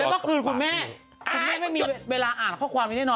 แล้วเมื่อคืนคุณแม่ไม่มีเวลาอ่านข้อความนี้ได้นอน